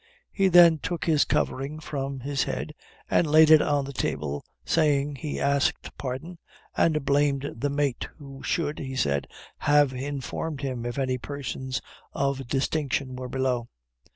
He then took his covering from his head and laid it on the table, saying, he asked pardon, and blamed the mate, who should, he said, have informed him if any persons of distinction were below.